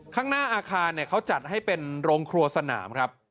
ข้างหน้าอาคารเขาจัดให้เป็นโรงครัวสนามครับ